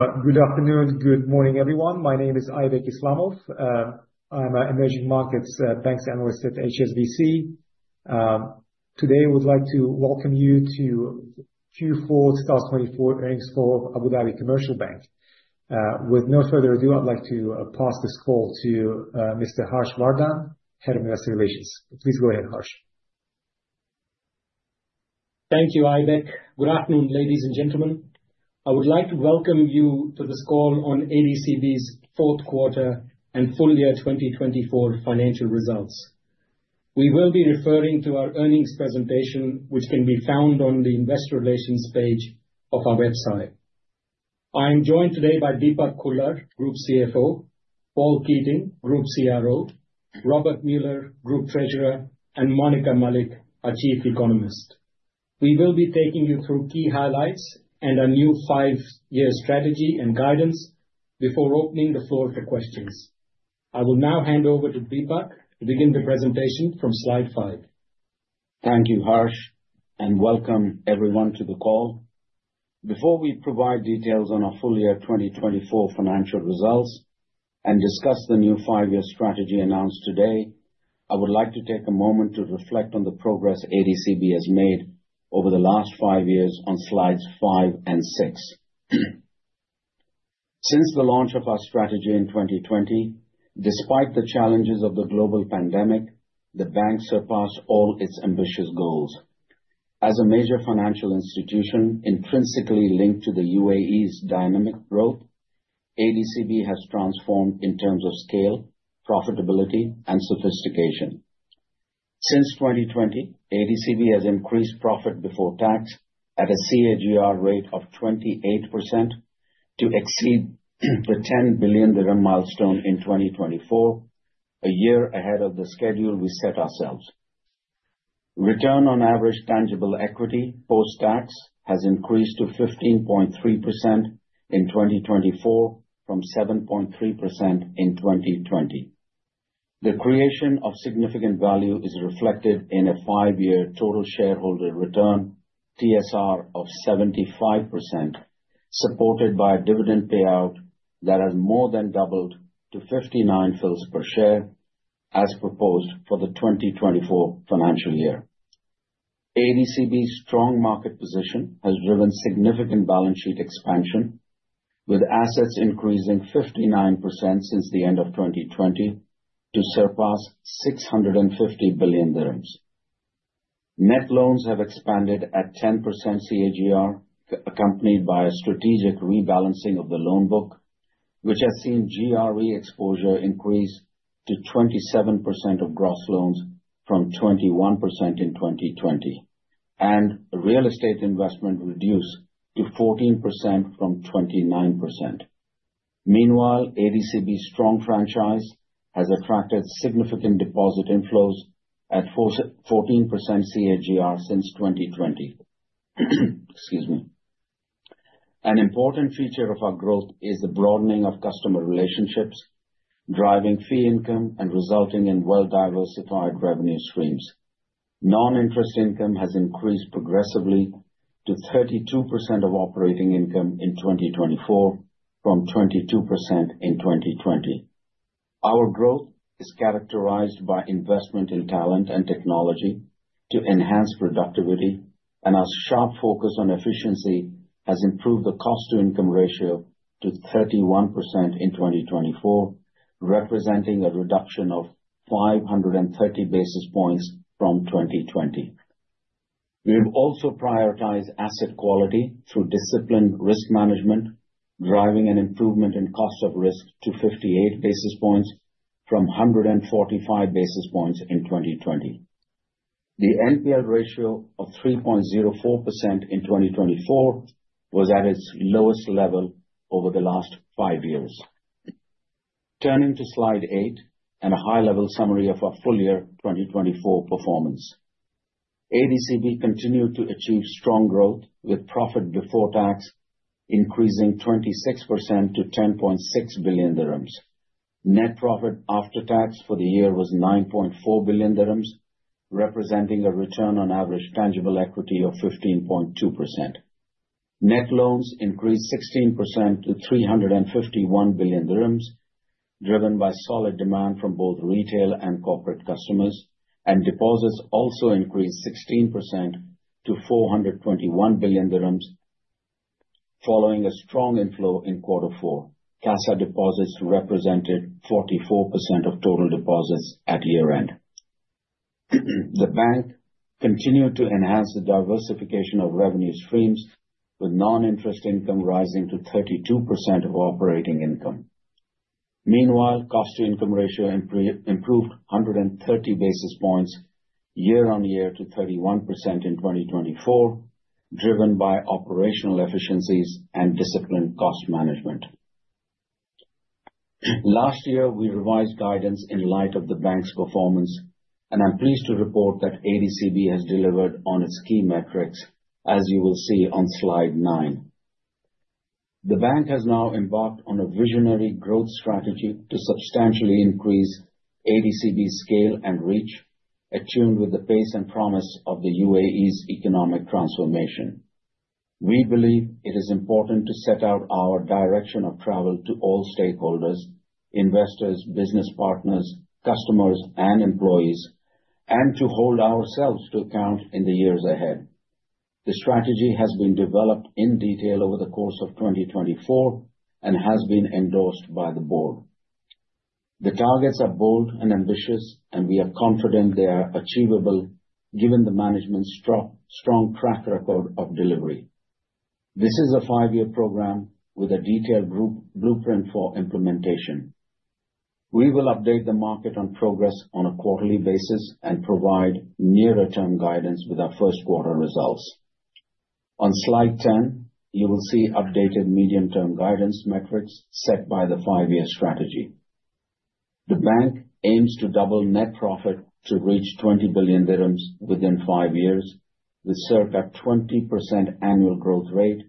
Good afternoon, good morning, everyone. My name is Aybek Islamov. I'm an emerging markets bank analyst at HSBC. Today, I would like to welcome you to Q4/2024 earnings call of Abu Dhabi Commercial Bank. With no further ado, I'd like to pass this call to Mr. Harsh Vardhan, Head of Investor Relations. Please go ahead, Harsh. Thank you, Ivek. Good afternoon, ladies and gentlemen. I would like to welcome you to this call on ADCB's fourth quarter and full year 2024 financial results. We will be referring to our earnings presentation, which can be found on the Investor Relations page of our website. I'm joined today by Deepak Khullar, Group CFO, Paul Keating, Group CRO, Robert Muller, Group Treasurer, and Monica Malik, our Chief Economist. We will be taking you through key highlights and our new five-year strategy and guidance before opening the floor for questions. I will now hand over to Deepak to begin the presentation from slide five. Thank you, Harsh, and welcome everyone to the call. Before we provide details on our full year 2024 financial results and discuss the new five-year strategy announced today, I would like to take a moment to reflect on the progress ADCB has made over the last five years on slides five and six. Since the launch of our strategy in 2020, despite the challenges of the global pandemic, the bank surpassed all its ambitious goals. As a major financial institution intrinsically linked to the UAE's dynamic growth, ADCB has transformed in terms of scale, profitability, and sophistication. Since 2020, ADCB has increased profit before tax at a CAGR rate of 28% to exceed the 10 billion dirham milestone in 2024, a year ahead of the schedule we set ourselves. Return on average tangible equity post-tax has increased to 15.3% in 2024 from 7.3% in 2020. The creation of significant value is reflected in a five-year total shareholder return (TSR) of 75%, supported by a dividend payout that has more than doubled to 59 fils per share, as proposed for the 2024 financial year. ADCB's strong market position has driven significant balance sheet expansion, with assets increasing 59% since the end of 2020 to surpass 650 billion dirhams. Net loans have expanded at 10% CAGR, accompanied by a strategic rebalancing of the loan book, which has seen GRE exposure increase to 27% of gross loans from 21% in 2020, and real estate investment reduce to 14% from 29%. Meanwhile, ADCB's strong franchise has attracted significant deposit inflows at 14% CAGR since 2020. An important feature of our growth is the broadening of customer relationships, driving fee income and resulting in well-diversified revenue streams. Non-interest income has increased progressively to 32% of operating income in 2024 from 22% in 2020. Our growth is characterized by investment in talent and technology to enhance productivity, and our sharp focus on efficiency has improved the cost-to-income ratio to 31% in 2024, representing a reduction of 530 basis points from 2020. We have also prioritized asset quality through disciplined risk management, driving an improvement in cost of risk to 58 basis points from 145 basis points in 2020. The NPL ratio of 3.04% in 2024 was at its lowest level over the last five years. Turning to slide eight and a high-level summary of our full year 2024 performance, ADCB continued to achieve strong growth with profit before tax increasing 26% to 10.6 billion dirhams. Net profit after tax for the year was 9.4 billion dirhams, representing a return on average tangible equity of 15.2%. Net loans increased 16% to 351 billion dirhams, driven by solid demand from both retail and corporate customers, and deposits also increased 16% to 421 billion dirhams, following a strong inflow in quarter four. CASA deposits represented 44% of total deposits at year-end. The bank continued to enhance the diversification of revenue streams, with non-interest income rising to 32% of operating income. Meanwhile, cost-to-income ratio improved 130 basis points year-on-year to 31% in 2024, driven by operational efficiencies and disciplined cost management. Last year, we revised guidance in light of the bank's performance, and I'm pleased to report that ADCB has delivered on its key metrics, as you will see on slide nine. The bank has now embarked on a visionary growth strategy to substantially increase ADCB's scale and reach, attuned with the pace and promise of the UAE's economic transformation. We believe it is important to set out our direction of travel to all stakeholders: investors, business partners, customers, and employees, and to hold ourselves to account in the years ahead. The strategy has been developed in detail over the course of 2024 and has been endorsed by the board. The targets are bold and ambitious, and we are confident they are achievable given the management's strong track record of delivery. This is a five-year program with a detailed blueprint for implementation. We will update the market on progress on a quarterly basis and provide nearer-term guidance with our first quarter results. On slide 10, you will see updated medium-term guidance metrics set by the five-year strategy. The bank aims to double net profit to reach 20 billion dirhams within five years, with circa 20% annual growth rate,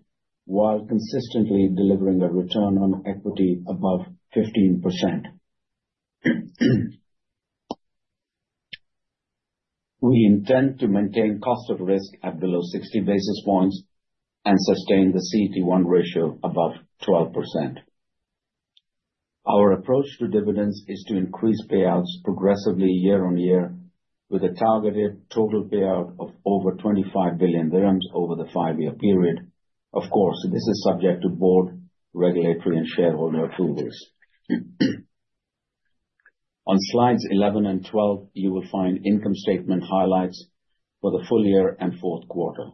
while consistently delivering a return on equity above 15%. We intend to maintain cost of risk at below 60 basis points and sustain the CET1 ratio above 12%. Our approach to dividends is to increase payouts progressively year-on-year, with a targeted total payout of over 25 billion dirhams over the five-year period. Of course, this is subject to board, regulatory, and shareholder approvals. On slides 11 and 12, you will find income statement highlights for the full year and fourth quarter.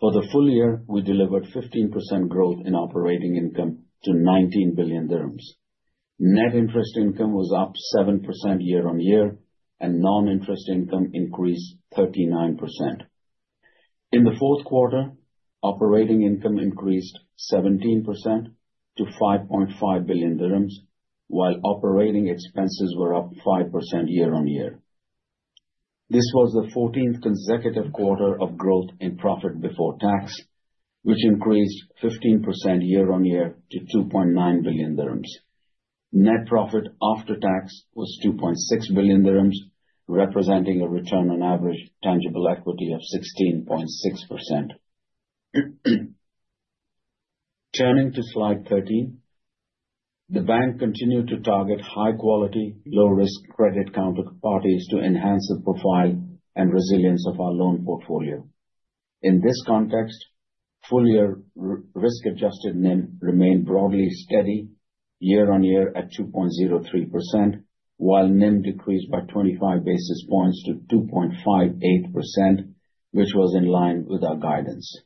For the full year, we delivered 15% growth in operating income to 19 billion dirhams. Net interest income was up 7% year-on-year, and non-interest income increased 39%. In the fourth quarter, operating income increased 17% to 5.5 billion dirhams, while operating expenses were up 5% year-on-year. This was the 14th consecutive quarter of growth in profit before tax, which increased 15% year-on-year to 2.9 billion dirhams. Net profit after tax was 2.6 billion dirhams, representing a return on average tangible equity of 16.6%. Turning to slide thirteen, the bank continued to target high-quality, low-risk credit counterparties to enhance the profile and resilience of our loan portfolio. In this context, full-year risk-adjusted NIM remained broadly steady year-on-year at 2.03%, while NIM decreased by 25 basis points to 2.58%, which was in line with our guidance.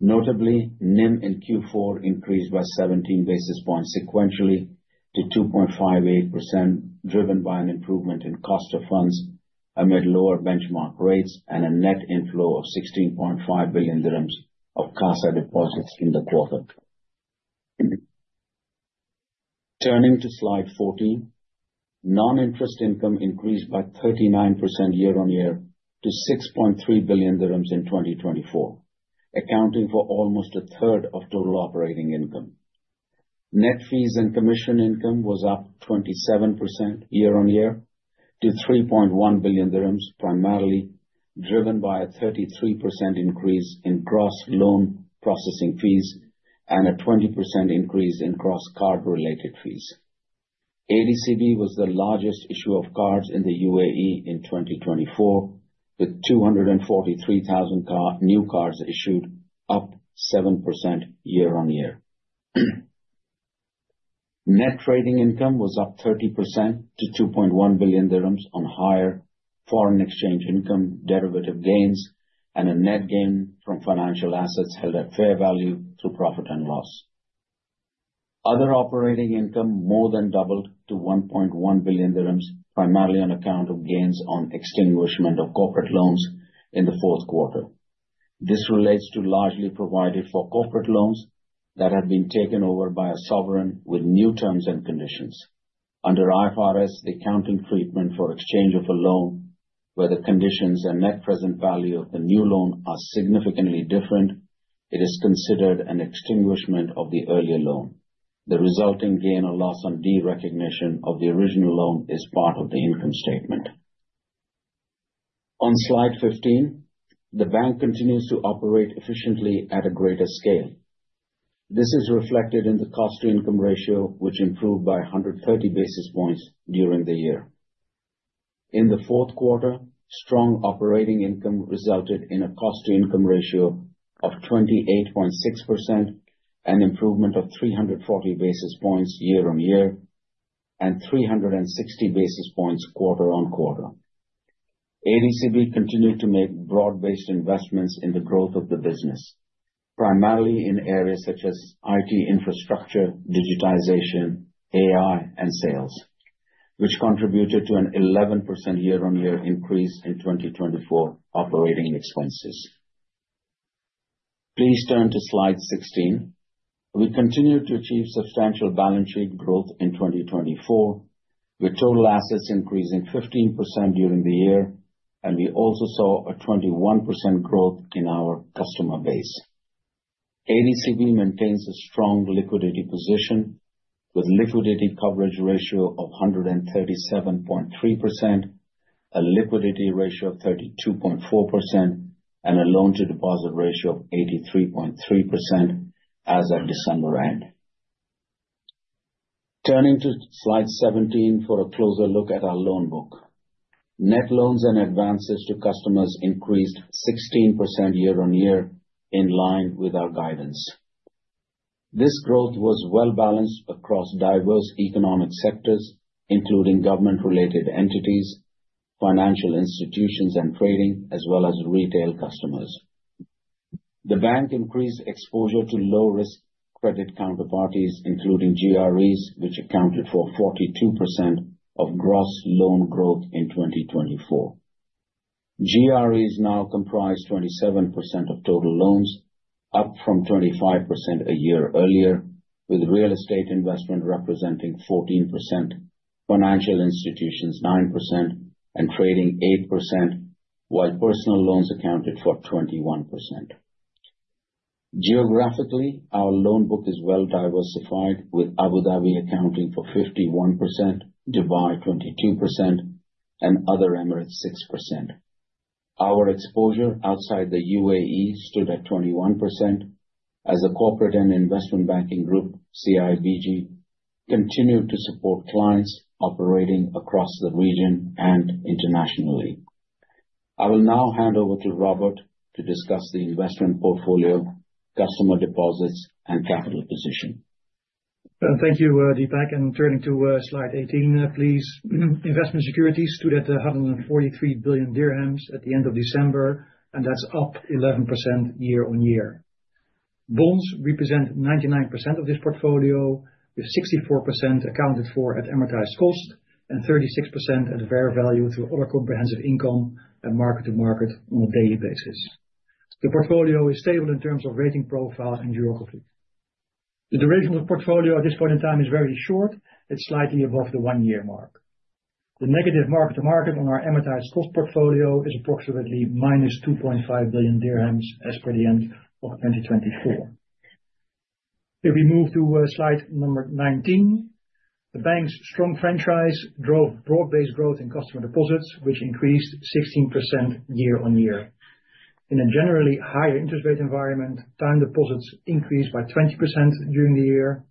Notably, NIM in Q4 increased by 17 basis points sequentially to 2.58%, driven by an improvement in cost of funds amid lower benchmark rates and a net inflow of 16.5 billion dirhams of CASA deposits in the quarter. Turning to slide fourteen, non-interest income increased by 39% year-on-year to 6.3 billion dirhams in 2024, accounting for almost a third of total operating income. Net fees and commission income was up 27% year-on-year to 3.1 billion dirhams, primarily driven by a 33% increase in gross loan processing fees and a 20% increase in gross card-related fees. ADCB was the largest issuer of cards in the UAE in 2024, with 243,000 new cards issued, up 7% year-on-year. Net trading income was up 30% to 2.1 billion dirhams on higher foreign exchange income derivative gains and a net gain from financial assets held at fair value through profit and loss. Other operating income more than doubled to 1.1 billion dirhams, primarily on account of gains on extinguishment of corporate loans in the fourth quarter. This relates to largely provided for corporate loans that have been taken over by a sovereign with new terms and conditions. Under IFRS, the accounting treatment for exchange of a loan, where the conditions and net present value of the new loan are significantly different, it is considered an extinguishment of the earlier loan. The resulting gain or loss on derecognition of the original loan is part of the income statement. On slide 15, the bank continues to operate efficiently at a greater scale. This is reflected in the cost-to-income ratio, which improved by 130 basis points during the year. In the fourth quarter, strong operating income resulted in a cost-to-income ratio of 28.6%, an improvement of 340 basis points year-on-year and 360 basis points quarter-on-quarter. ADCB continued to make broad-based investments in the growth of the business, primarily in areas such as IT infrastructure, digitization, AI, and sales, which contributed to an 11% year-on-year increase in 2024 operating expenses. Please turn to slide 16. We continued to achieve substantial balance sheet growth in 2024, with total assets increasing 15% during the year, and we also saw a 21% growth in our customer base. ADCB maintains a strong liquidity position, with a liquidity coverage ratio of 137.3%, a liquidity ratio of 32.4%, and a loan-to-deposit ratio of 83.3% as of December end. Turning to slide 17 for a closer look at our loan book, net loans and advances to customers increased 16% year-on-year, in line with our guidance. This growth was well-balanced across diverse economic sectors, including government-related entities, financial institutions, and trading, as well as retail customers. The bank increased exposure to low-risk credit counterparties, including GREs, which accounted for 42% of gross loan growth in 2024. GREs now comprise 27% of total loans, up from 25% a year earlier, with real estate investment representing 14%, financial institutions 9%, and trading 8%, while personal loans accounted for 21%. Geographically, our loan book is well-diversified, with Abu Dhabi accounting for 51%, Dubai 22%, and other emirates 6%. Our exposure outside the UAE stood at 21%, as a corporate and investment banking group, CIBG, continued to support clients operating across the region and internationally. I will now hand over to Robert to discuss the investment portfolio, customer deposits, and capital position. Thank you, Deepak. Turning to slide 18, please. Investment securities stood at 143 billion dirhams at the end of December, and that's up 11% year-on-year. Bonds represent 99% of this portfolio, with 64% accounted for at amortized cost and 36% at fair value through other comprehensive income and mark-to-market on a daily basis. The portfolio is stable in terms of rating profile and geography. The duration of the portfolio at this point in time is very short. It's slightly above the one-year mark. The negative mark-to-market on our amortized cost portfolio is approximately minus 2.5 billion dirhams as per the end of 2024. If we move to slide number nineteen, the bank's strong franchise drove broad-based growth in customer deposits, which increased 16% year-on-year. In a generally higher interest rate environment, time deposits increased by 20% during the year,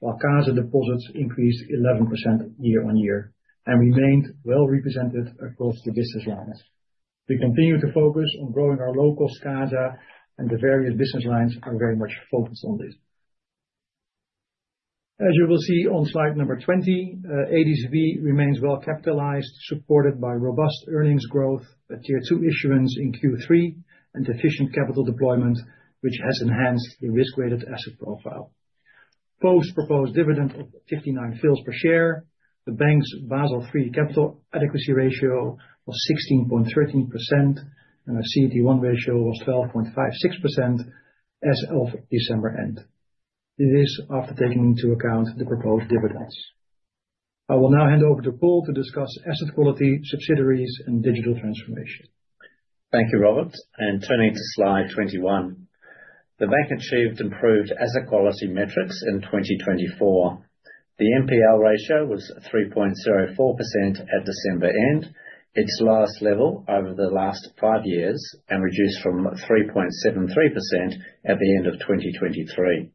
while CASA deposits increased 11% year-on-year and remained well-represented across the business lines. We continue to focus on growing our low-cost CASA, and the various business lines are very much focused on this. As you will see on slide number twenty, ADCB remains well-capitalized, supported by robust earnings growth, a tier-two issuance in Q3, and efficient capital deployment, which has enhanced the risk-weighted asset profile. Post-proposed dividend of 0.59 per share, the bank's Basel III capital adequacy ratio was 16.13%, and our CET1 ratio was 12.56% as of December end. This is after taking into account the proposed dividends. I will now hand over to Paul to discuss asset quality, subsidiaries, and digital transformation. Thank you, Robert. Turning to slide 21, the bank achieved improved asset quality metrics in 2024. The NPL ratio was 3.04% at December end, its lowest level over the last five years, and reduced from 3.73% at the end of 2023.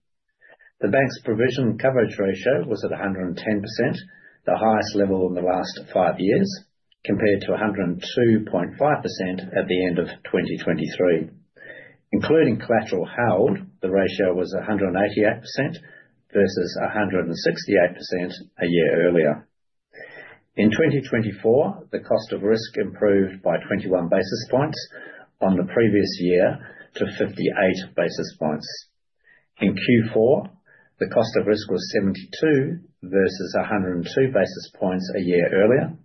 The bank's provision coverage ratio was at 110%, the highest level in the last five years, compared to 102.5% at the end of 2023. Including collateral held, the ratio was 188% versus 168% a year earlier. In 2024, the cost of risk improved by 21 basis points on the previous year to 58 basis points. In Q4, the cost of risk was 72 versus 102 basis points a year earlier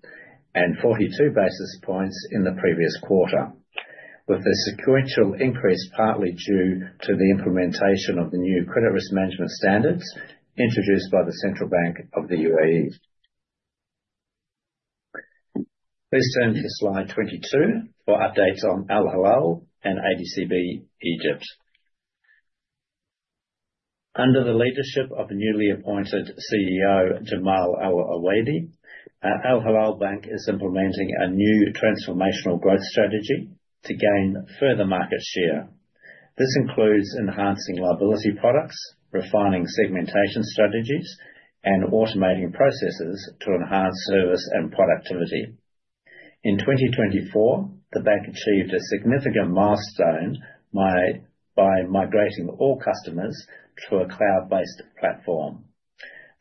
and 42 basis points in the previous quarter, with the sequential increase partly due to the implementation of the new Credit Risk Management Standards introduced by the Central Bank of the UAE. Please turn to slide 22 for updates on Al Hilal and ADCB Egypt. Under the leadership of newly appointed CEO Jamal Al Awadhi, Al Hilal Bank is implementing a new transformational growth strategy to gain further market share. This includes enhancing liability products, refining segmentation strategies, and automating processes to enhance service and productivity. In 2024, the bank achieved a significant milestone by migrating all customers to a cloud-based platform.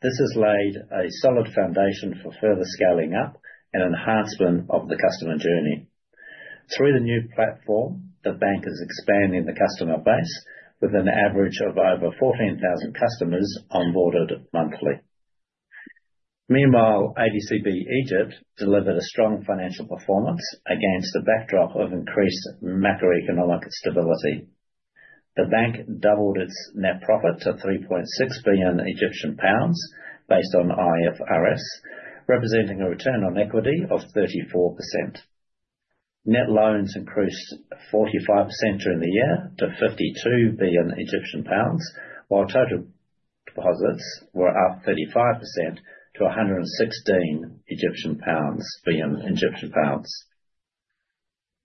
This has laid a solid foundation for further scaling up and enhancement of the customer journey. Through the new platform, the bank is expanding the customer base with an average of over 14,000 customers onboarded monthly. Meanwhile, ADCB Egypt delivered a strong financial performance against a backdrop of increased macroeconomic stability. The bank doubled its net profit to 3.6 billion Egyptian pounds based on IFRS, representing a return on equity of 34%. Net loans increased 45% during the year to 52 billion Egyptian pounds, while total deposits were up 35% to 116 billion Egyptian pounds.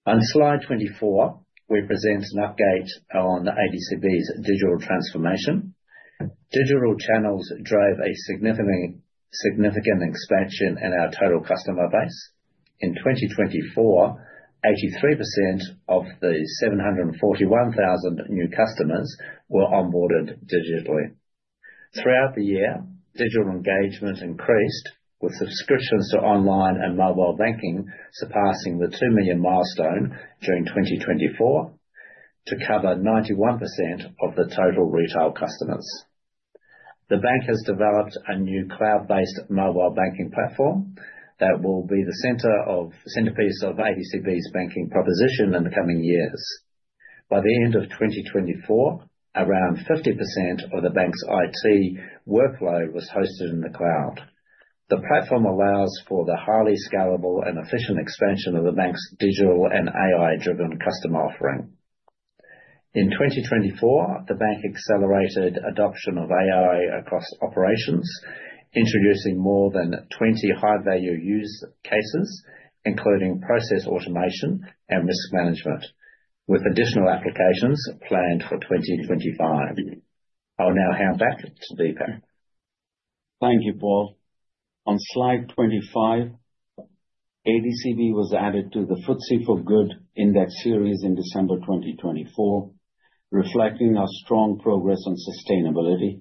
On slide twenty-four, we present an update on ADCB's digital transformation. Digital channels drove a significant expansion in our total customer base. In 2024, 83% of the 741,000 new customers were onboarded digitally. Throughout the year, digital engagement increased, with subscriptions to online and mobile banking surpassing the 2 million milestone during 2024 to cover 91% of the total retail customers. The bank has developed a new cloud-based mobile banking platform that will be the centerpiece of ADCB's banking proposition in the coming years. By the end of 2024, around 50% of the bank's IT workload was hosted in the cloud. The platform allows for the highly scalable and efficient expansion of the bank's digital and AI-driven customer offering. In 2024, the bank accelerated adoption of AI across operations, introducing more than 20 high-value use cases, including process automation and risk management, with additional applications planned for 2025. I'll now hand back to Deepak. Thank you, Paul. On slide 25, ADCB was added to the FTSE4Good Index Series in December 2024, reflecting our strong progress on sustainability.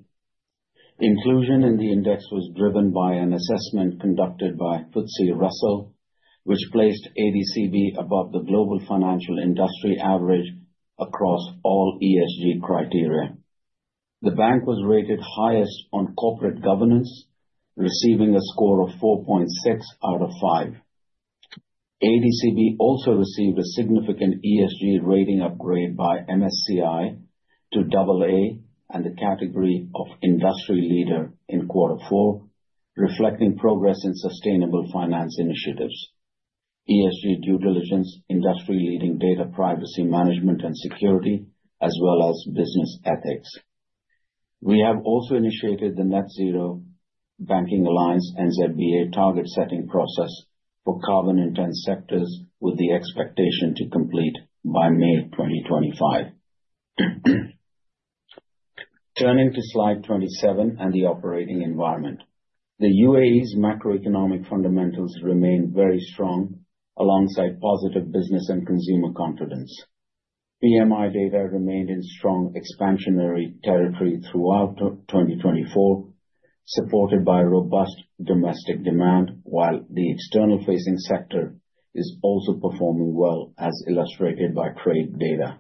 Inclusion in the index was driven by an assessment conducted by FTSE Russell, which placed ADCB above the global financial industry average across all ESG criteria. The bank was rated highest on corporate governance, receiving a score of 4.6 out of 5. ADCB also received a significant ESG rating upgrade by MSCI to AA and the category of industry leader in quarter four, reflecting progress in sustainable finance initiatives, ESG due diligence, industry-leading data privacy management and security, as well as business ethics. We have also initiated the Net-Zero Banking Alliance (NZBA) target-setting process for carbon-intense sectors, with the expectation to complete by May 2025. Turning to slide 27 and the operating environment, the UAE's macroeconomic fundamentals remain very strong, alongside positive business and consumer confidence. PMI data remained in strong expansionary territory throughout 2024, supported by robust domestic demand, while the external-facing sector is also performing well, as illustrated by trade data.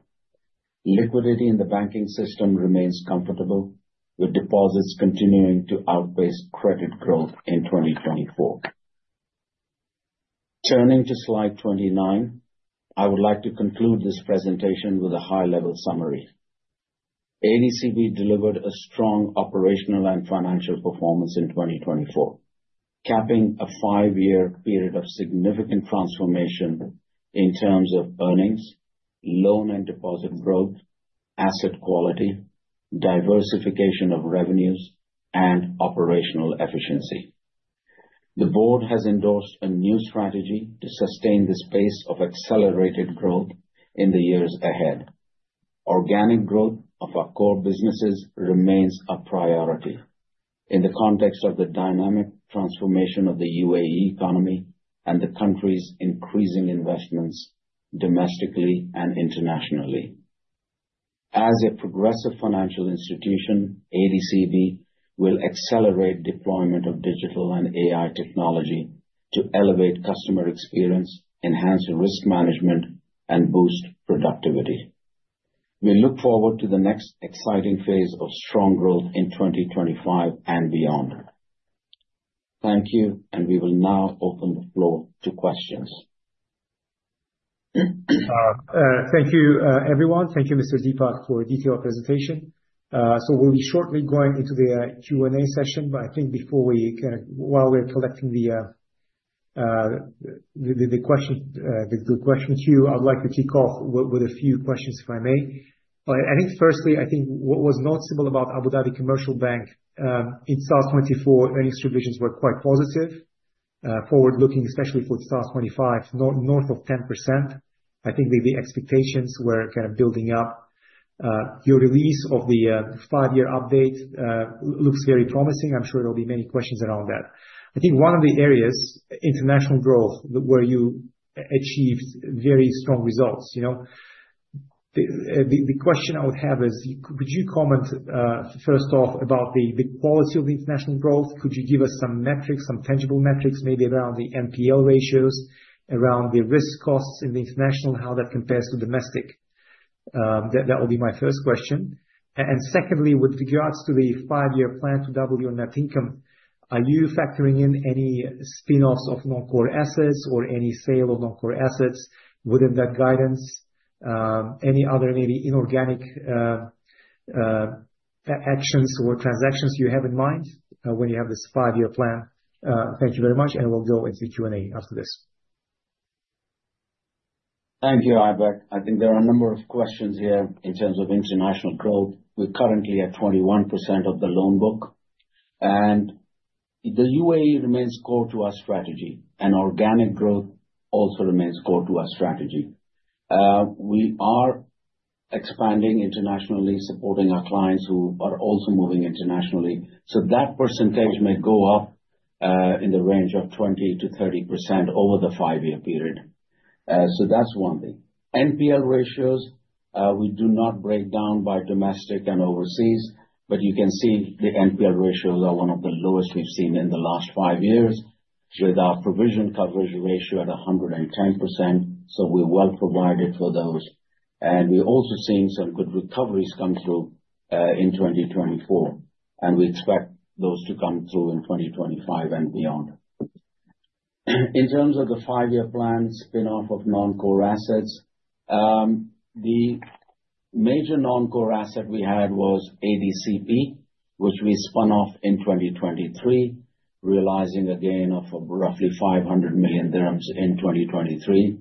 Liquidity in the banking system remains comfortable, with deposits continuing to outpace credit growth in 2024. Turning to slide 29, I would like to conclude this presentation with a high-level summary. ADCB delivered a strong operational and financial performance in 2024, capping a five-year period of significant transformation in terms of earnings, loan and deposit growth, asset quality, diversification of revenues, and operational efficiency. The board has endorsed a new strategy to sustain the space of accelerated growth in the years ahead. Organic growth of our core businesses remains a priority in the context of the dynamic transformation of the UAE economy and the country's increasing investments domestically and internationally. As a progressive financial institution, ADCB will accelerate deployment of digital and AI technology to elevate customer experience, enhance risk management, and boost productivity. We look forward to the next exciting phase of strong growth in 2025 and beyond. Thank you, and we will now open the floor to questions. Thank you, everyone. Thank you, Mr. Deepak, for a detailed presentation. So we'll be shortly going into the Q&A session, but I think before we kind of, while we're collecting the questions, the question queue, I'd like to kick off with a few questions, if I may. I think firstly, I think what was noticeable about Abu Dhabi Commercial Bank, its FY24 earnings provisions were quite positive, forward-looking, especially for FY25, north of 10%. I think the expectations were kind of building up. Your release of the five-year update looks very promising. I'm sure there'll be many questions around that. I think one of the areas, international growth, where you achieved very strong results. The question I would have is, could you comment first off about the quality of the international growth? Could you give us some metrics, some tangible metrics, maybe around the NPL ratios, around the cost of risk in the international, how that compares to domestic? That will be my first question. And secondly, with regards to the five-year plan to double your net income, are you factoring in any spinoffs of non-core assets or any sale of non-core assets within that guidance? Any other maybe inorganic actions or transactions you have in mind when you have this five-year plan? Thank you very much, and we'll go into the Q&A after this. Thank you, Aybek. I think there are a number of questions here in terms of international growth. We're currently at 21% of the loan book, and the UAE remains core to our strategy, and organic growth also remains core to our strategy. We are expanding internationally, supporting our clients who are also moving internationally. So that percentage may go up in the range of 20%-30% over the five-year period. So that's one thing. NPL ratios, we do not break down by domestic and overseas, but you can see the NPL ratios are one of the lowest we've seen in the last five years, with our provision coverage ratio at 110%. So we're well provided for those. And we're also seeing some good recoveries come through in 2024, and we expect those to come through in 2025 and beyond. In terms of the five-year plan spinoff of non-core assets, the major non-core asset we had was ADCB, which we spun off in 2023, realizing a gain of roughly 500 million dirhams in 2023.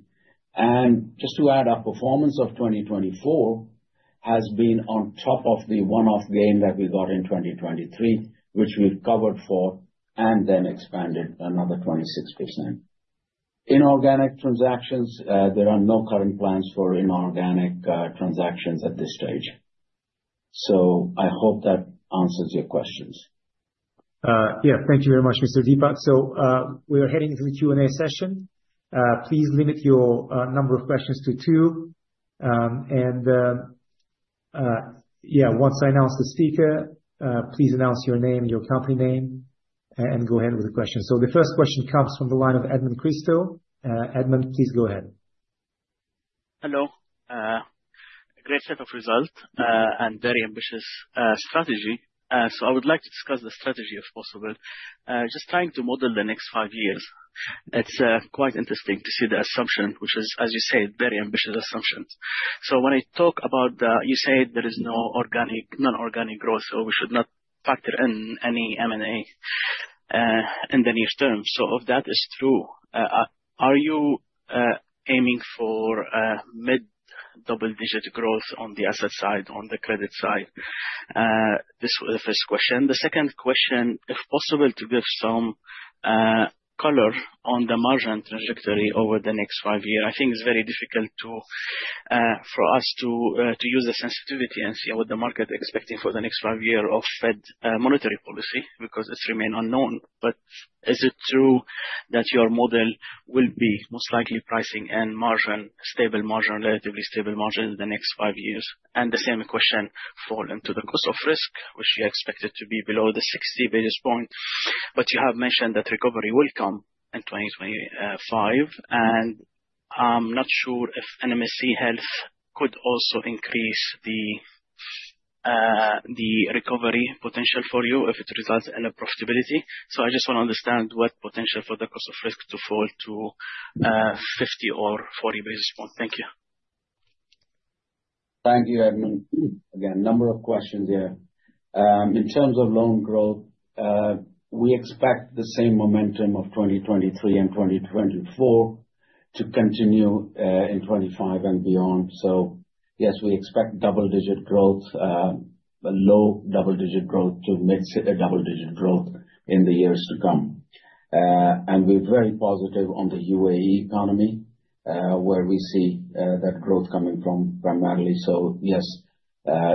And just to add, our performance of 2024 has been on top of the one-off gain that we got in 2023, which we've covered for and then expanded another 26%. Inorganic transactions, there are no current plans for inorganic transactions at this stage. So I hope that answers your questions. Yeah, thank you very much, Mr. Deepak. So we are heading into the Q&A session. Please limit your number of questions to two. And yeah, once I announce the speaker, please announce your name, your company name, and go ahead with the question. So the first question comes from the line of Edmond Christou. Edmond, please go ahead. Hello. Great set of results and very ambitious strategy. So I would like to discuss the strategy, if possible. Just trying to model the next five years. It's quite interesting to see the assumption, which is, as you said, very ambitious assumptions. So when I talk about, you said there is no organic, non-organic growth, so we should not factor in any M&A in the near term. So if that is true, are you aiming for mid-double-digit growth on the asset side, on the credit side? This was the first question. The second question, if possible, to give some color on the margin trajectory over the next five years. I think it's very difficult for us to use the sensitivity and see what the market is expecting for the next five years of Fed monetary policy because it remains unknown. But is it true that your model will be most likely pricing and margin, stable margin, relatively stable margin in the next five years? And the same question falls into the cost of risk, which you expected to be below 60 basis points. But you have mentioned that recovery will come in 2025, and I'm not sure if NMC Health could also increase the recovery potential for you if it results in profitability. So I just want to understand what potential for the cost of risk to fall to 50 or 40 basis points. Thank you. Thank you, Edmond. Again, a number of questions here. In terms of loan growth, we expect the same momentum of 2023 and 2024 to continue in 2025 and beyond. So yes, we expect double-digit growth, low double-digit growth to mid-double-digit growth in the years to come. And we're very positive on the UAE economy, where we see that growth coming from primarily. So yes,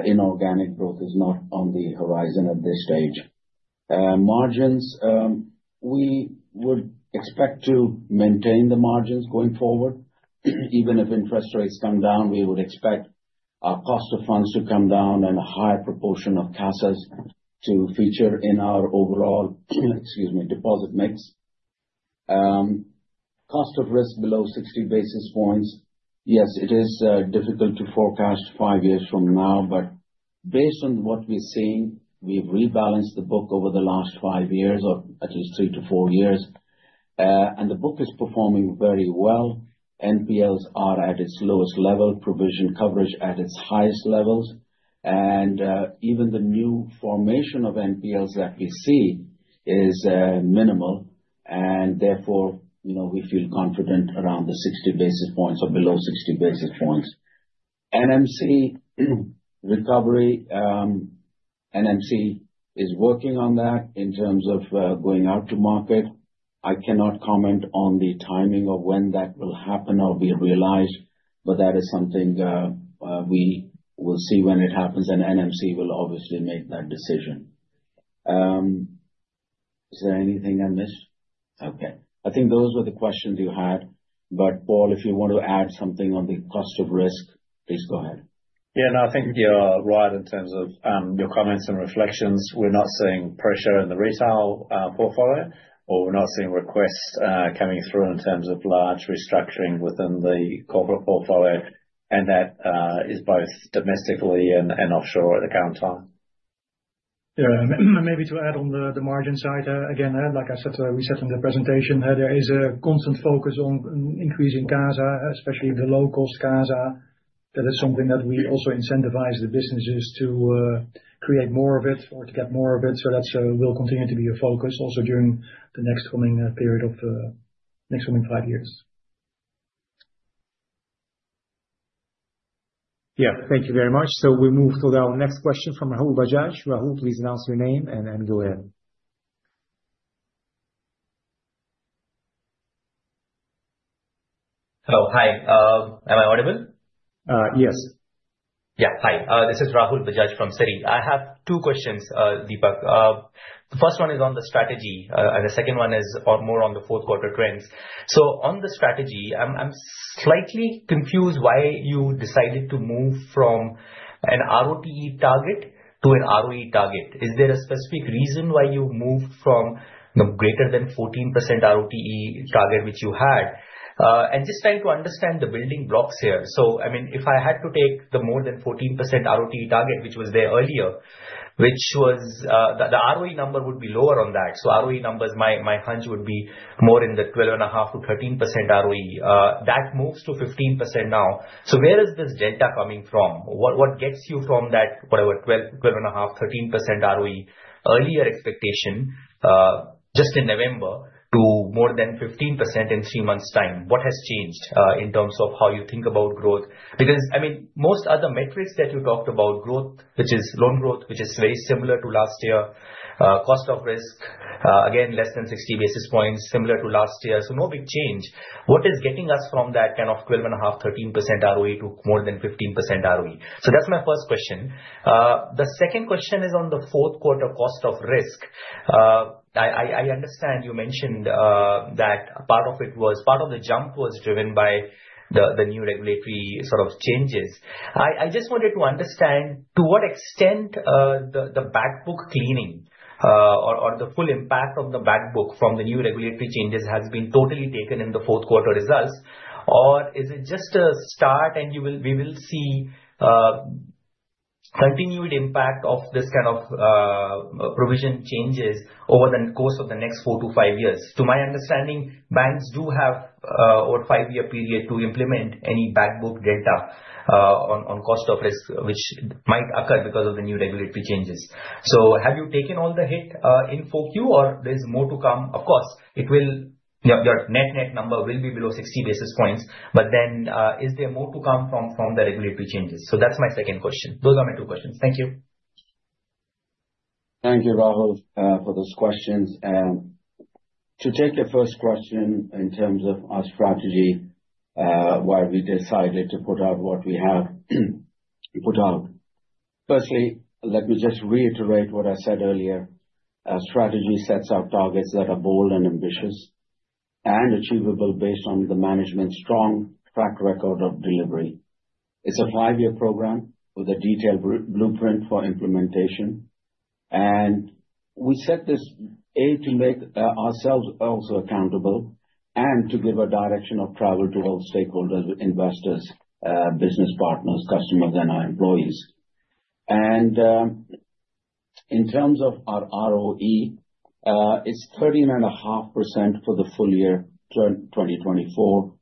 inorganic growth is not on the horizon at this stage. Margins, we would expect to maintain the margins going forward. Even if interest rates come down, we would expect our cost of funds to come down and a higher proportion of CASA to feature in our overall, excuse me, deposit mix. Cost of risk below 60 basis points. Yes, it is difficult to forecast five years from now, but based on what we're seeing, we've rebalanced the book over the last five years or at least three to four years, and the book is performing very well. NPLs are at its lowest level, provision coverage at its highest levels. Even the new formation of NPLs that we see is minimal. Therefore, we feel confident around the 60 basis points or below 60 basis points. NMC recovery, NMC is working on that in terms of going out to market. I cannot comment on the timing of when that will happen or be realized, but that is something we will see when it happens, and NMC will obviously make that decision. Is there anything I missed? Okay. I think those were the questions you had. But Paul, if you want to add something on the cost of risk, please go ahead. Yeah, no, I think. You're right in terms of your comments and reflections. We're not seeing pressure in the retail portfolio, or we're not seeing requests coming through in terms of large restructuring within the corporate portfolio. And that is both domestically and offshore at the current time. Yeah, and maybe to add on the margin side again, like I said, we said in the presentation, there is a constant focus on increasing casa, especially the low-cost casa. That is something that we also incentivize the businesses to create more of it or to get more of it. So that will continue to be a focus also during the next coming period of next coming five years. Yeah, thank you very much. So we move to our next question from Rahul Bajaj. Rahul, please announce your name and go ahead. Hello, hi. Am I audible? Yes. Yeah, hi. This is Rahul Bajaj from Citi. I have two questions, Deepak. The first one is on the strategy, and the second one is more on the fourth quarter trends. So on the strategy, I'm slightly confused why you decided to move from an ROTE target to an ROE target. Is there a specific reason why you moved from the greater than 14% ROTE target which you had? And just trying to understand the building blocks here. So I mean, if I had to take the more than 14% ROTE target, which was there earlier, which was the ROE number would be lower on that. So ROE numbers, my hunch would be more in the 12.5%-13% ROE. That moves to 15% now. So where is this delta coming from? What gets you from that, whatever, 12.5%, 13% ROE earlier expectation just in November to more than 15% in three months' time? What has changed in terms of how you think about growth? Because I mean, most other metrics that you talked about, growth, which is loan growth, which is very similar to last year, cost of risk, again, less than 60 basis points, similar to last year. So no big change. What is getting us from that kind of 12.5%, 13% ROE to more than 15% ROE? So that's my first question. The second question is on the fourth quarter cost of risk. I understand you mentioned that part of it was part of the jump was driven by the new regulatory sort of changes. I just wanted to understand to what extent the backbook cleaning or the full impact of the backbook from the new regulatory changes has been totally taken in the fourth quarter results, or is it just a start and we will see continued impact of this kind of provision changes over the course of the next four to five years? To my understanding, banks do have a five-year period to implement any backbook delta on cost of risk, which might occur because of the new regulatory changes. So have you taken all the hit in Q4, or there's more to come? Of course, your net net number will be below 60 basis points, but then is there more to come from the regulatory changes? So that's my second question. Those are my two questions. Thank you. Thank you, Rahul, for those questions. To take your first question in terms of our strategy, why we decided to put out what we have put out. Firstly, let me just reiterate what I said earlier. Our strategy sets out targets that are bold and ambitious and achievable based on the management's strong track record of delivery. It's a five-year program with a detailed blueprint for implementation. We set this aim to make ourselves also accountable and to give a direction of travel to all stakeholders, investors, business partners, customers, and our employees. In terms of our ROE, it's 13.5% for the full year 2024.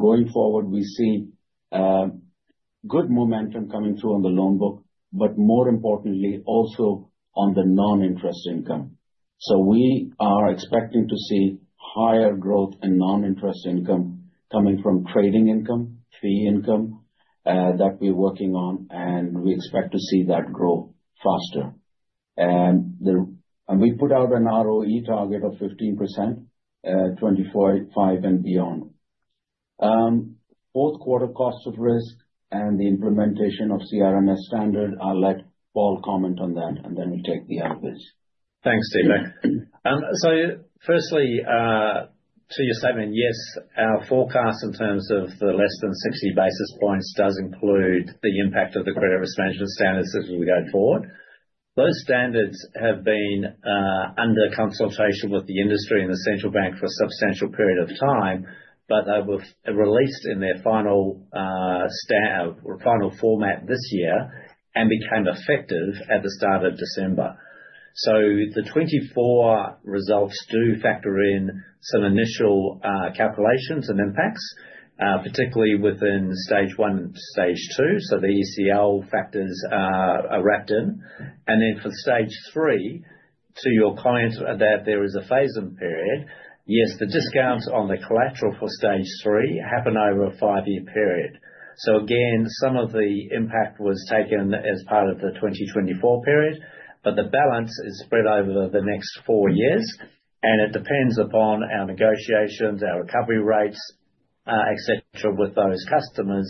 Going forward, we see good momentum coming through on the loan book, but more importantly, also on the non-interest income. So we are expecting to see higher growth in non-interest income coming from trading income, fee income that we're working on, and we expect to see that grow faster. And we put out an ROE target of 15%, 25% and beyond. Fourth quarter cost of risk and the implementation of CRMS standard. I'll let Paul comment on that, and then we'll take the other bit. Thanks, David. So firstly, to your statement, yes, our forecast in terms of the less than 60 basis points does include the impact of the credit risk management standards as we go forward. Those standards have been under consultation with the industry and the central bank for a substantial period of time, but they were released in their final format this year and became effective at the start of December. The 2024 results do factor in some initial calculations and impacts, particularly within stage one and stage two. So the ECL factors are wrapped in. And then for stage three, to your point that there is a phasing period, yes, the discount on the collateral for stage three happened over a five-year period. So again, some of the impact was taken as part of the 2024 period, but the balance is spread over the next four years. And it depends upon our negotiations, our recovery rates, etc., with those customers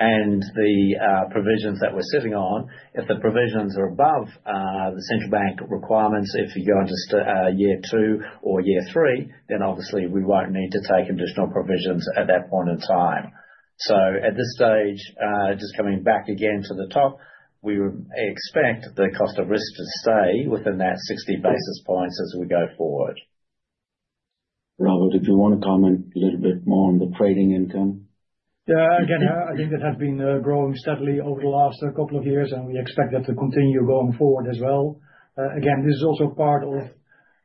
and the provisions that we're sitting on. If the provisions are above the central bank requirements, if you go into year two or year three, then obviously we won't need to take additional provisions at that point in time. So at this stage, just coming back again to the top, we expect the cost of risk to stay within that 60 basis points as we go forward. Robert, did you want to comment a little bit more on the trading income? Yeah, again, I think it has been growing steadily over the last couple of years, and we expect that to continue going forward as well. Again, this is also part of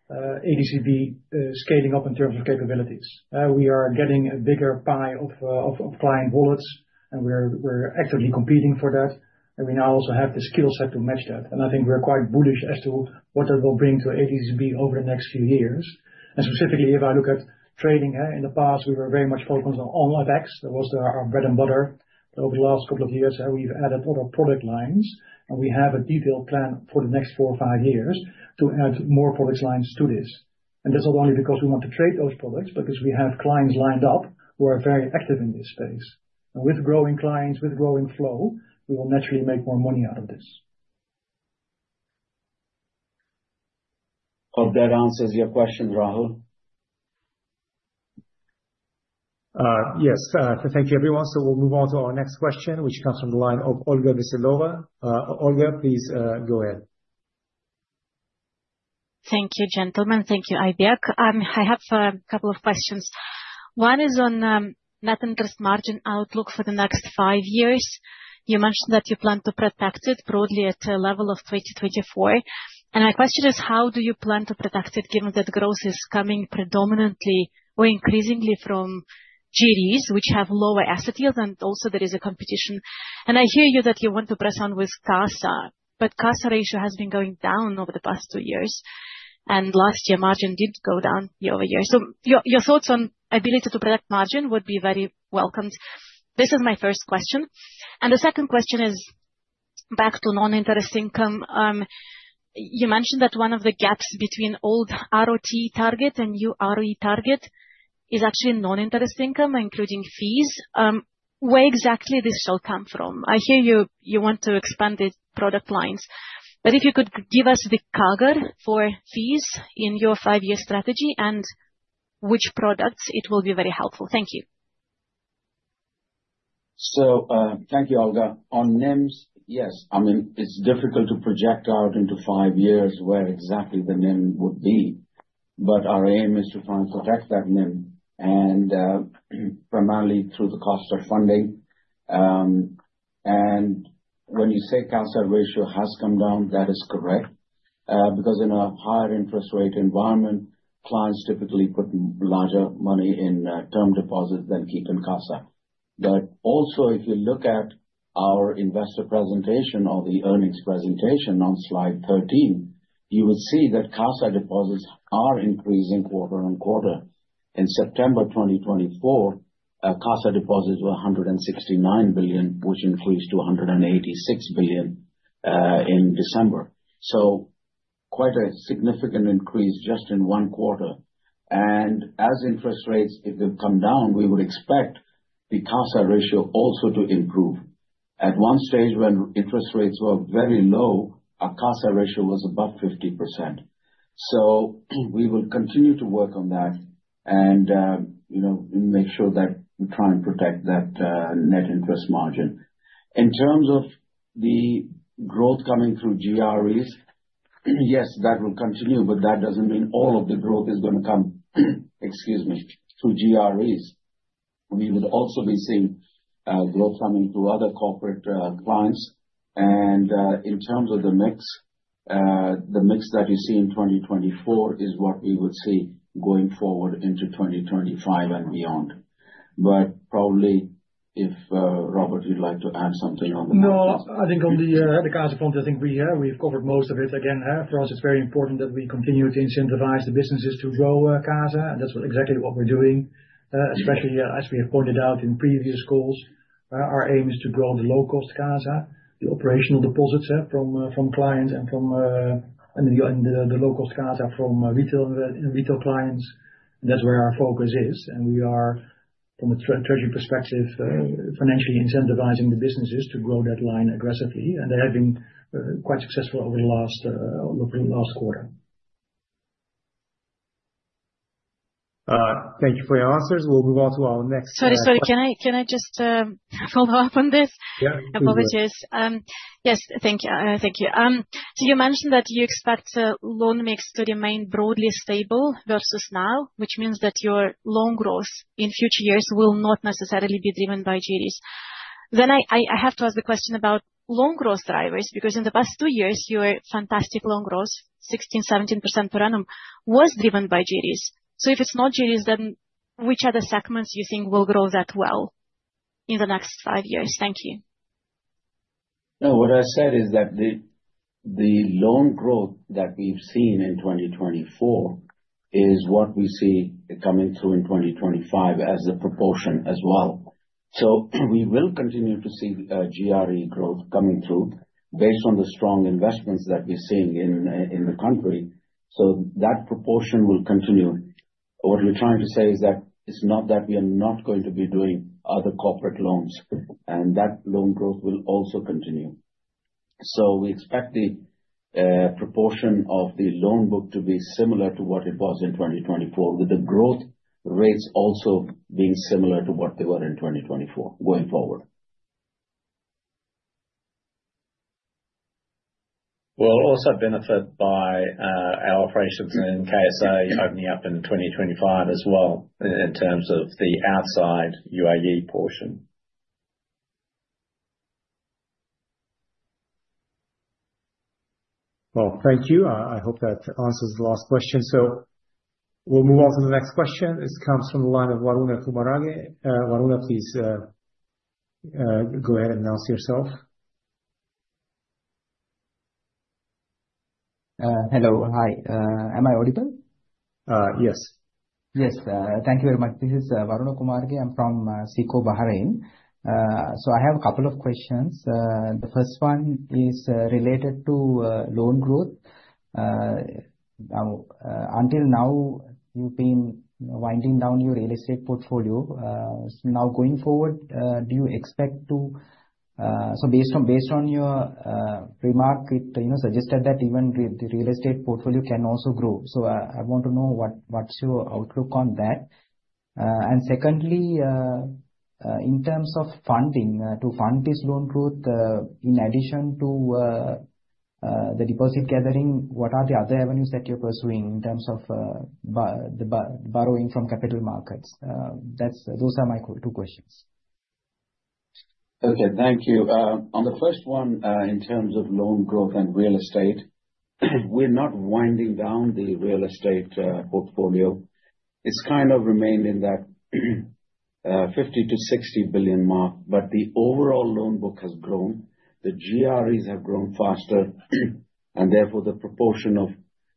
ADCB scaling up in terms of capabilities. We are getting a bigger pie of client wallets, and we're actively competing for that. And we now also have the skill set to match that. And I think we're quite bullish as to what that will bring to ADCB over the next few years. And specifically, if I look at trading, in the past, we were very much focused on FX. That was our bread and butter. Over the last couple of years, we've added other product lines, and we have a detailed plan for the next four or five years to add more product lines to this. And that's not only because we want to trade those products, but because we have clients lined up who are very active in this space. And with growing clients, with growing flow, we will naturally make more money out of this. Hope that answers your question, Rahul. Yes. Thank you, everyone. So we'll move on to our next question, which comes from the line of Olga Veselova. Olga, please go ahead. Thank you, gentlemen. Thank you, IBEAC. I have a couple of questions. One is on net interest margin outlook for the next five years. You mentioned that you plan to protect it broadly at a level of 2024. My question is, how do you plan to protect it given that growth is coming predominantly or increasingly from GREs, which have lower asset yields, and also there is a competition? I hear you that you want to press on with CASA, but CASA ratio has been going down over the past two years, and last year margin did go down year over year. So your thoughts on ability to protect margin would be very welcomed. This is my first question. The second question is back to non-interest income. You mentioned that one of the gaps between old ROATE target and new ROE target is actually non-interest income, including fees. Where exactly this shall come from? I hear you want to expand the product lines. But if you could give us the cover for fees in your five-year strategy and which products, it will be very helpful. Thank you. So thank you, Olga. On NIMs, yes. I mean, it's difficult to project out into five years where exactly the NIM would be, but our aim is to try and protect that NIM, primarily through the cost of funding, and when you say CASA ratio has come down, that is correct. Because in a higher interest rate environment, clients typically put larger money in term deposits than keep in CASA, but also, if you look at our investor presentation or the earnings presentation on slide 13, you will see that CASA deposits are increasing quarter on quarter. In September 2024, CASA deposits were 169 billion, which increased to 186 billion in December, so quite a significant increase just in one quarter, and as interest rates, if they've come down, we would expect the CASA ratio also to improve. At one stage, when interest rates were very low, our CASA ratio was above 50%. So we will continue to work on that and make sure that we try and protect that net interest margin. In terms of the growth coming through GREs, yes, that will continue, but that doesn't mean all of the growth is going to come, excuse me, through GREs. We would also be seeing growth coming through other corporate clients. And in terms of the mix, the mix that you see in 2024 is what we would see going forward into 2025 and beyond. But probably, if Robert, you'd like to add something on the CASA? No, I think on the CASA front, I think we've covered most of it. Again, for us, it's very important that we continue to incentivize the businesses to grow CASA. And that's exactly what we're doing, especially as we have pointed out in previous calls. Our aim is to grow the low-cost CASA, the operational deposits from clients and the low-cost CASA from retail clients. That's where our focus is. And we are, from a treasury perspective, financially incentivizing the businesses to grow that line aggressively. And they have been quite successful over the last quarter. Thank you for your answers. We'll move on to our next question. Sorry, sorry. Can I just follow up on this? Yeah. Apologies. Yes, thank you. So you mentioned that you expect loan mix to remain broadly stable versus now, which means that your loan growth in future years will not necessarily be driven by GDs. I have to ask the question about loan growth drivers, because in the past two years, your fantastic loan growth, 16%, 17% per annum, was driven by GREs. So if it's not GREs, then which other segments do you think will grow that well in the next five years? Thank you. No, what I said is that the loan growth that we've seen in 2024 is what we see coming through in 2025 as the proportion as well. So we will continue to see GRE growth coming through based on the strong investments that we're seeing in the country. So that proportion will continue. What we're trying to say is that it's not that we are not going to be doing other corporate loans, and that loan growth will also continue. So we expect the proportion of the loan book to be similar to what it was in 2024, with the growth rates also being similar to what they were in 2024 going forward. We'll also benefit by our operations in KSA opening up in 2025 as well in terms of the outside UAE portion. Well, thank you. I hope that answers the last question. So we'll move on to the next question. This comes from the line of Waruna Kumarage. Waruna, please go ahead and announce yourself. Hello, hi. Am I audible? Yes. Yes. Thank you very much. This is Waruna Kumarage. I'm from SICO Bahrain. So I have a couple of questions. The first one is related to loan growth. Until now, you've been winding down your real estate portfolio. Now, going forward, do you expect to, so based on your remark, it suggested that even the real estate portfolio can also grow. So I want to know what's your outlook on that. And secondly, in terms of funding, to fund this loan growth, in addition to the deposit gathering, what are the other avenues that you're pursuing in terms of borrowing from capital markets? Those are my two questions. Okay, thank you. On the first one, in terms of loan growth and real estate, we're not winding down the real estate portfolio. It's kind of remained in that 50 billion-60 billion mark, but the overall loan book has grown. The GREs have grown faster, and therefore the proportion of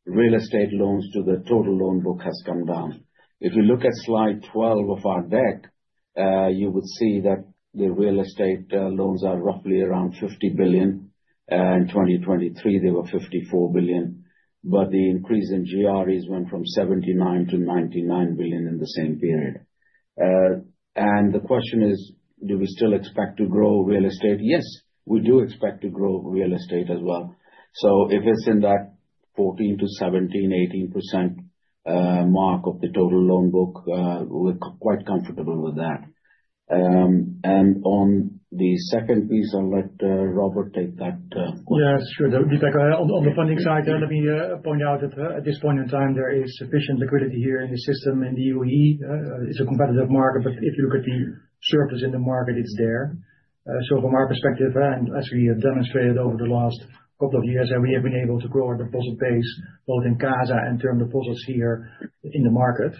real estate loans to the total loan book has come down. If you look at slide 12 of our deck, you would see that the real estate loans are roughly around 50 billion. In 2023, they were 54 billion, but the increase in GREs went from 79 billion to 99 billion in the same period. And the question is, do we still expect to grow real estate? Yes, we do expect to grow real estate as well. So if it's in that 14%-17%, 18% mark of the total loan book, we're quite comfortable with that. And on the second piece, I'll let Robert take that question. Yeah, sure. On the funding side, let me point out that at this point in time, there is sufficient liquidity here in the system in the UAE. It's a competitive market, but if you look at the surplus in the market, it's there. From our perspective, and as we have demonstrated over the last couple of years, we have been able to grow our deposit base, both in CASA and term deposits here in the market.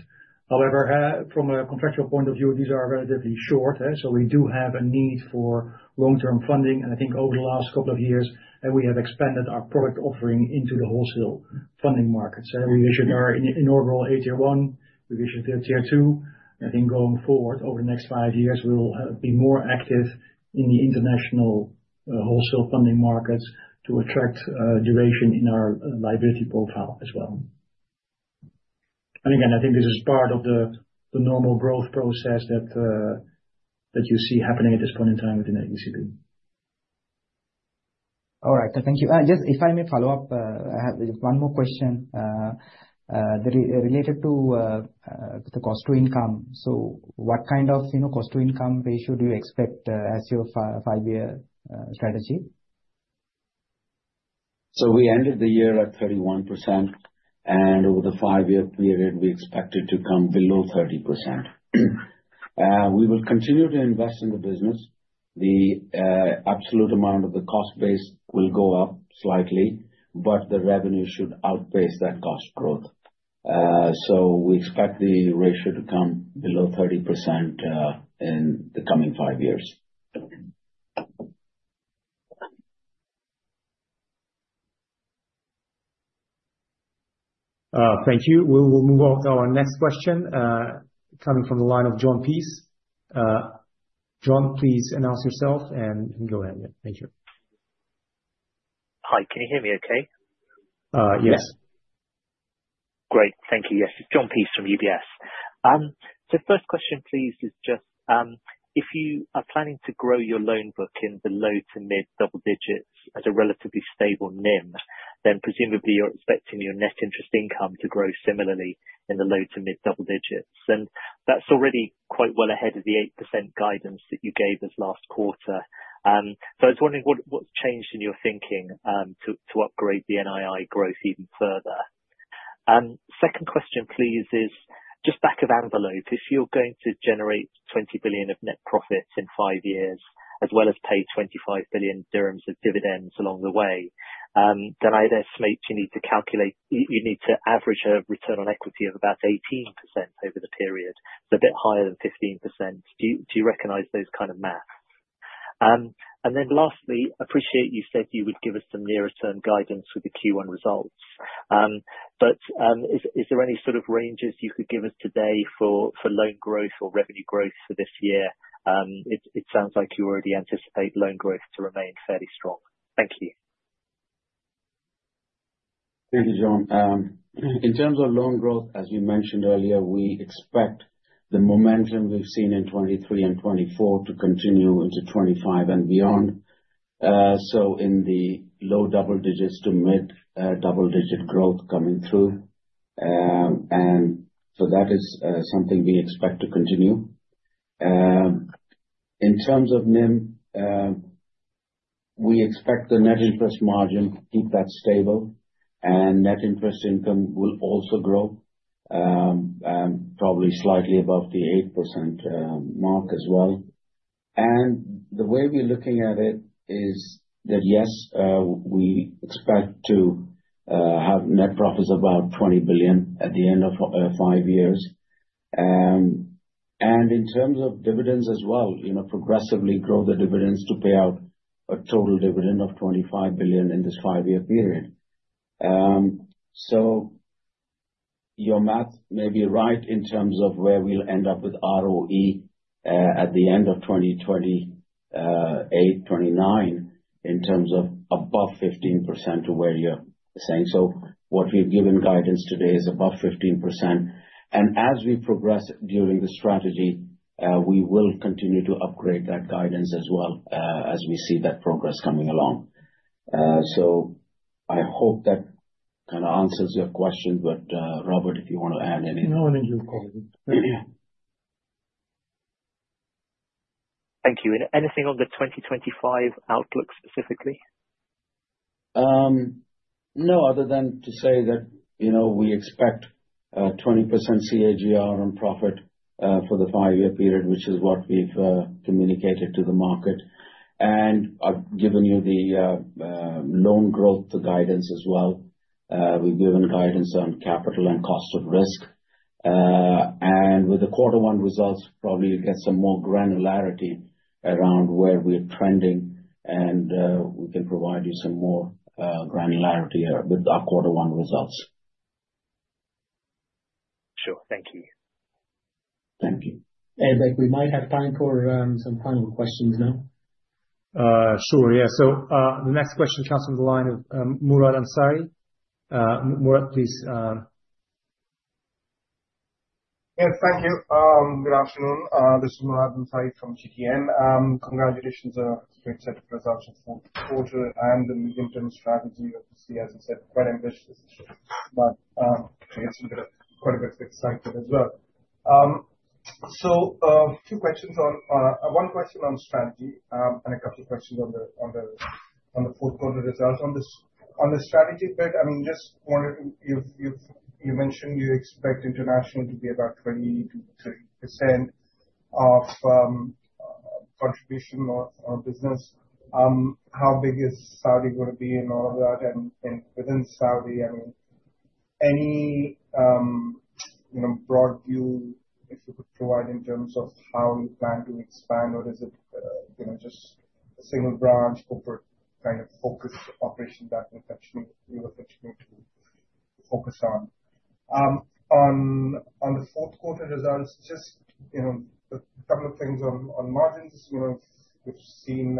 However, from a contractual point of view, these are relatively short. We do have a need for long-term funding. And I think over the last couple of years, we have expanded our product offering into the wholesale funding market. We issued our inaugural AT1. We issued Tier 2. I think going forward, over the next five years, we'll be more active in the international wholesale funding markets to attract duration in our liability profile as well. And again, I think this is part of the normal growth process that you see happening at this point in time within ADCB. All right, thank you. Yes, if I may follow up, I have one more question related to the cost to income. So what kind of cost to income ratio do you expect as your five-year strategy? So we ended the year at 31%, and over the five-year period, we expected to come below 30%. We will continue to invest in the business. The absolute amount of the cost base will go up slightly, but the revenue should outpace that cost growth. So we expect the ratio to come below 30% in the coming five years. Thank you. We will move on to our next question coming from the line of Jon Peace. Jon, please announce yourself and go ahead. Thank you. Hi, can you hear me okay? Yes. Great. Thank you. Yes, it's Jon Peace from UBS. First question, please, is just if you are planning to grow your loan book in the low-to-mid double digits as a relatively stable NIM, then presumably you're expecting your net interest income to grow similarly in the low-to-mid double digits. And that's already quite well ahead of the 8% guidance that you gave us last quarter. So I was wondering what's changed in your thinking to upgrade the NII growth even further. Second question, please, is just back-of-the-envelope. If you're going to generate 20 billion of net profits in five years, as well as pay 25 billion dirhams of dividends along the way, then I estimate you need to average a return on equity of about 18% over the period. It's a bit higher than 15%. Do you recognize those kind of math? And then lastly, I appreciate you said you would give us some nearer-term guidance with the Q1 results. But is there any sort of ranges you could give us today for loan growth or revenue growth for this year? It sounds like you already anticipate loan growth to remain fairly strong. Thank you. Thank you, Jon. In terms of loan growth, as you mentioned earlier, we expect the momentum we've seen in 2023 and 2024 to continue into 2025 and beyond. So in the low double digits to mid double digit growth coming through. And so that is something we expect to continue. In terms of NIM, we expect the net interest margin to keep that stable, and net interest income will also grow, probably slightly above the 8% mark as well. And the way we're looking at it is that, yes, we expect to have net profits about 20 billion at the end of five years. And in terms of dividends as well, progressively grow the dividends to pay out a total dividend of 25 billion in this five-year period. So your math may be right in terms of where we'll end up with ROE at the end of 2028, 2029, in terms of above 15% to where you're saying. So what we've given guidance today is above 15%. And as we progress during the strategy, we will continue to upgrade that guidance as well as we see that progress coming along. So I hope that kind of answers your question, but Robert, if you want to add anything? No, I think you're fine. Thank you. Anything on the 2025 outlook specifically? No, other than to say that we expect 20% CAGR on profit for the five-year period, which is what we've communicated to the market. And I've given you the loan growth guidance as well. We've given guidance on capital and cost of risk. And with the quarter one results, probably you'll get some more granularity around where we're trending, and we can provide you some more granularity with our quarter one results. Sure. Thank you. Thank you. Hey, Aybek, we might have time for some final questions now. Sure. Yeah. So the next question comes from the line of Murad Ansari. Murad, please. Yes, thank you. Good afternoon. This is Murad Ansari from EFG Hermes. Congratulations on a great set of results for the quarter and the medium-term strategy. Obviously, as you said, quite ambitious, but it's quite a bit of excitement as well. So two questions: one question on strategy and a couple of questions on the fourth-quarter results. On the strategy bit, I mean, just wondered, you mentioned you expect international to be about 20%-30% of contribution of business. How big is Saudi going to be in all of that? And within Saudi, I mean, any broad view, if you could provide in terms of how you plan to expand, or is it just a single branch corporate kind of focused operation that you were pitching me to focus on? On the fourth-quarter results, just a couple of things on margins. We've seen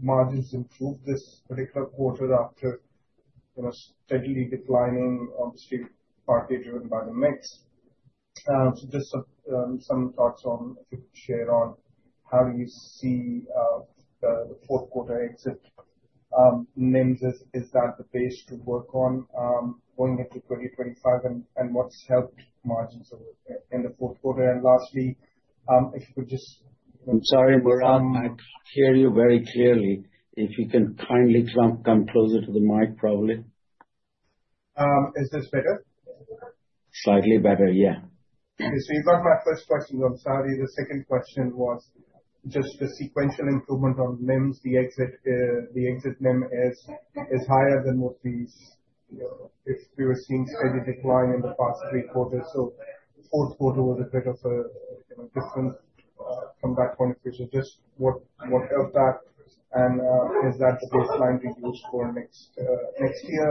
margins improve this particular quarter after steadily declining spread, partly driven by the mix. So just some thoughts on if you could share on how do you see the fourth-quarter exit NIMs? Is that the base to work on going into 2025? What's helped margins in the fourth quarter? And lastly, if you could just. I'm sorry, Murad. I can't hear you very clearly. If you can kindly come closer to the mic, probably. Is this better? Slightly better, yeah. Okay. So you got my first question on Saudi. The second question was just the sequential improvement on NIMs. The exit NIM is higher than what we if we were seeing steady decline in the past three quarters. So fourth quarter was a bit of a different from that point of view. So just what of that? And is that the baseline we use for next year?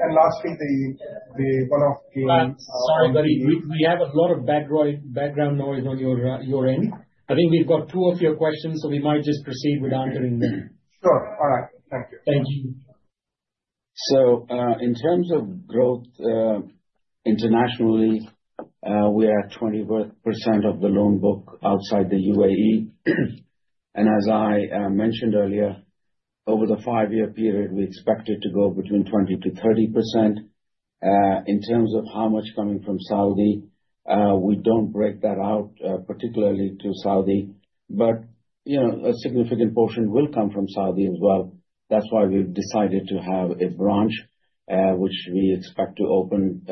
And lastly, the one-off gain. Sorry, buddy. We have a lot of background noise on your end. I think we've got two of your questions, so we might just proceed with answering them. Sure. All right. Thank you. Thank you. In terms of growth internationally, we are at 20% of the loan book outside the UAE. As I mentioned earlier, over the five-year period, we expect it to go between 20%-30%. In terms of how much coming from Saudi, we don't break that out particularly to Saudi, but a significant portion will come from Saudi as well. That's why we've decided to have a branch, which we expect to open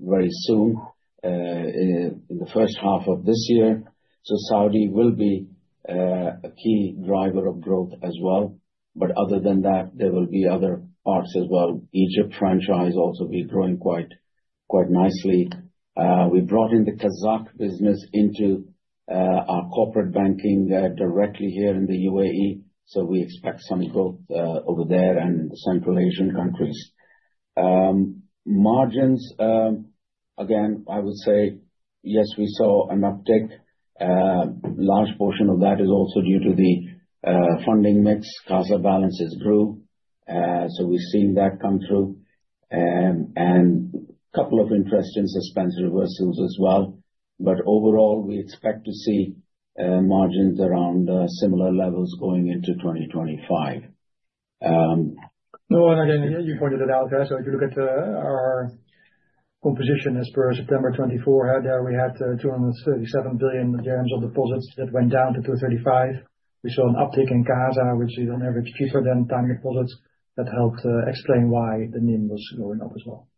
very soon in the first half of this year. Saudi will be a key driver of growth as well. Other than that, there will be other parts as well. Egypt franchise also will be growing quite nicely. We brought in the Kazakh business into our corporate banking directly here in the UAE. We expect some growth over there and in the Central Asian countries. Margins, again, I would say, yes, we saw an uptick. A large portion of that is also due to the funding mix. CASA balances grew. So we've seen that come through. And a couple of interest in suspense reversals as well. But overall, we expect to see margins around similar levels going into 2025. No, and again, you pointed it out there. So if you look at our composition as per September 2024, we had 237 billion of deposits that went down to 235 billion. We saw an uptick in CASA, which is on average cheaper than time deposits. That helped explain why the NIM was going up as well.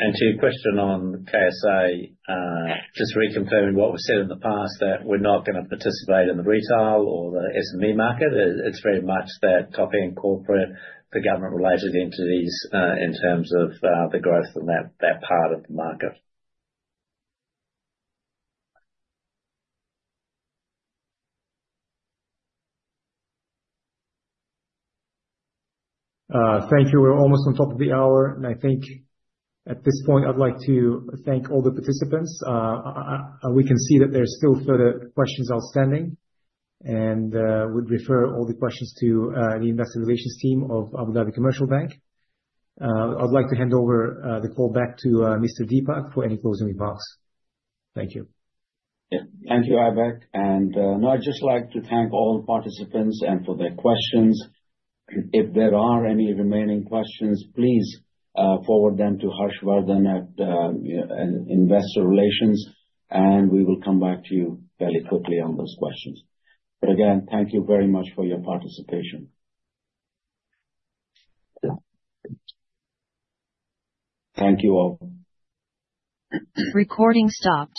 And to your question on KSA, just reconfirming what we've said in the past, that we're not going to participate in the retail or the SME market. It's very much that top-end corporate, the government-related entities in terms of the growth in that part of the market. Thank you. We're almost on top of the hour, and I think at this point, I'd like to thank all the participants. We can see that there's still further questions outstanding, and we'd refer all the questions to the investor relations team of Abu Dhabi Commercial Bank. I'd like to hand over the call back to Mr. Deepak for any closing remarks. Thank you. Yeah. Thank you, Harsh. And now, I'd just like to thank all participants and for their questions. If there are any remaining questions, please forward them to Harsh Vardhan at Investor Relations, and we will come back to you fairly quickly on those questions. But again, thank you very much for your participation. Thank you all. Recording stop.